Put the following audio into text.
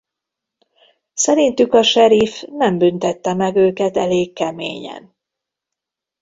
Szerintük a seriff nem büntette meg őket elég keményen.